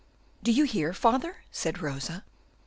"Do you hear, father?" said Rosa.